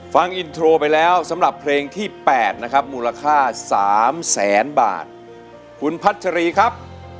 ฟังอินโทรไปแล้วสำหรับเพลงที่๘นะครับ